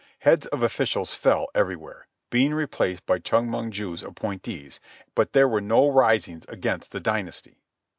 Heads of officials fell everywhere, being replaced by Chong Mong ju's appointees; but there were no risings against the dynasty.